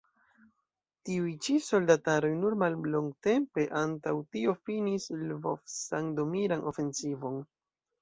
Tiuj ĉi soldataroj nur mallongtempe antaŭ tio finis Lvov-sandomiran ofensivon.